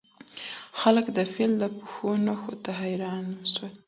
خلګ د فیل د پښو نښو ته حیران سول.